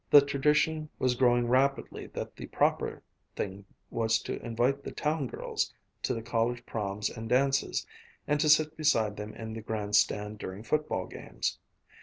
The tradition was growing rapidly that the proper thing was to invite the "town girls" to the college proms and dances, and to sit beside them in the grandstand during football games.